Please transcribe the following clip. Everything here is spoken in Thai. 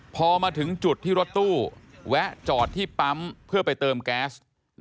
พอมาถึงจุดที่รถตู้แวะจอดที่ปั๊มเพื่อไปเติมแก๊ส